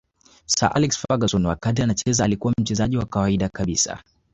Sir Alex Ferguson wakati anacheza alikuwa mchezaji wa kawaida kabisa